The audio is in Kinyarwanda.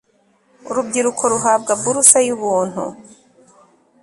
urubyiruko ruhabwa buruse y'ubuntu